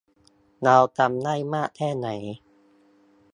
เราจำได้มากแค่ไหน